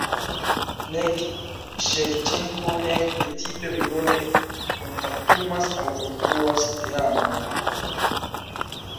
Nek Ŝevĉenko nek precipe mi bone kontaktumas aŭ konstruas teamojn.